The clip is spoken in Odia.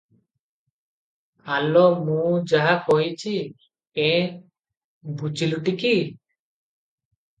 ଆଲୋ ମୁଁ ଯାହା କହିଛି- ଏଁ, ବୁଝିଲୁଟି କି?